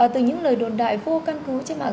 từ những lời đồn đại vô căn cứ trên mạng